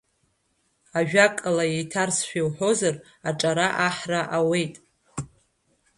Ажәакала еиҭарсшәа иуҳәозар, аҿара аҳра ауеит.